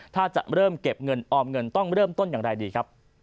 ถ้าจะเริ่มเก็บเงินออมเงินต้องเริ่มต้นอย่างไรดีครับ